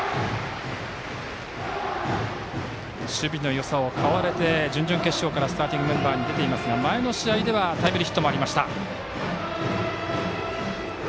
守備のよさを買われて準々決勝からスターティングメンバーに出ていますが前の試合ではタイムリーヒットもありました。